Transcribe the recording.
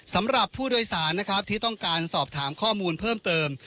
สำหรับผู้โดยสารนะครับที่ต้องการสอบถามข้อมูลเพิ่มเติม